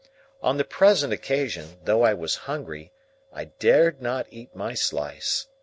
On the present occasion, though I was hungry, I dared not eat my slice.